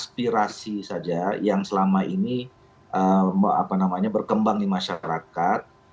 aspirasi saja yang selama ini berkembang di masyarakat